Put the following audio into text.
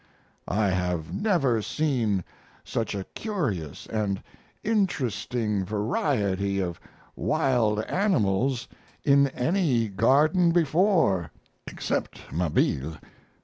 I have never seen such a curious and interesting variety of wild animals in any garden before except Mabille.